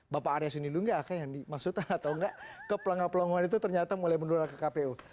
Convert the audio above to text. ke pelanggan pelanggan itu ternyata mulai mendorong ke kpu